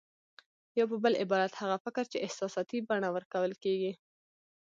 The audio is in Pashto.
يا په بل عبارت هغه فکر چې احساساتي بڼه ورکول کېږي.